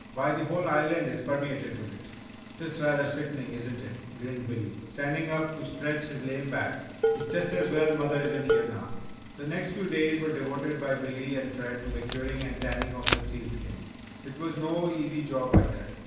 Why, the whole Island is permeated with it!" "'Tis rather sickenin', isn't it?" grinned Billy, standing up to stretch his lame back. "It's just as well mother isn't here now!" The next few days were devoted by Billy and Fred to the curing and tanning of the seal skin. It was no easy job, either!